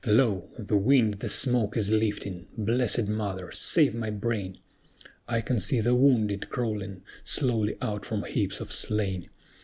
"Lo! the wind the smoke is lifting. Blessed Mother, save my brain! I can see the wounded crawling slowly out from heaps of slain.